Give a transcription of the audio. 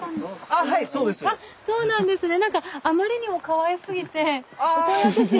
そうなんですね。